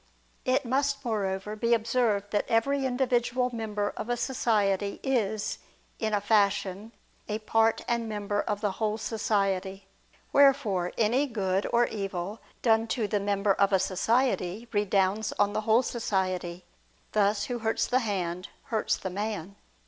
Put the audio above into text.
It must, moreover, be observed that every individual member of a society is, in a fashion, a part and member of the whole society. Wherefore, any good or evil, done to the member of a society, redounds on the whole society: thus, who hurts the hand, hurts the man.